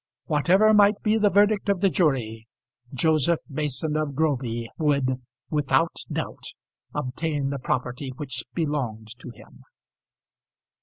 Whatever might be the verdict of the jury Joseph Mason of Groby would, without doubt, obtain the property which belonged to him.